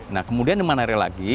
nah kemudian mana lagi